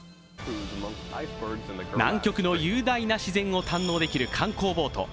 南極の雄大な自然を堪能できる観光ボート。